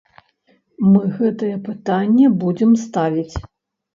Мы гэтае пытанне будзем ставіць.